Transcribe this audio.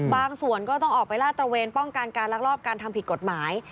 ก็ต้องออกไปลาดตระเวนป้องกันการลักลอบการทำผิดกฎหมาย